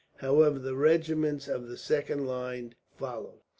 However, the regiments of the second line followed.